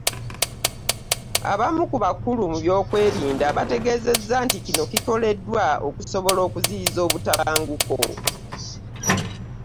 Abamu ku bakulu mu by'okwerinda bategeezezza nti kino kikoleddwa okusobola okuziyiza obutabanguko